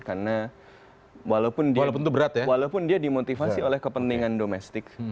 karena walaupun dia dimotivasi oleh kepentingan domestik